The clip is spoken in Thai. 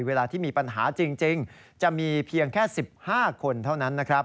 เวลาที่มีปัญหาจริงจะมีเพียงแค่๑๕คนเท่านั้นนะครับ